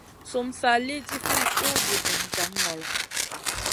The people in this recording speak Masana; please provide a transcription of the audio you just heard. Sum sa lì ɗifinʼ ùh busun jaŋ ŋolo.